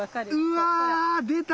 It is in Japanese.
うわ出た！